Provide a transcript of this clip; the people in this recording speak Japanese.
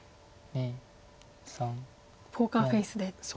ポーカーフェースで。